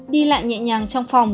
đi lại nhẹ nhàng trong phòng